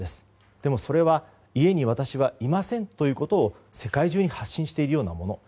でも、それは家に私はいませんということを世界中に発信しているようなもの。